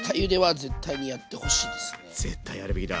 絶対やるべきだ。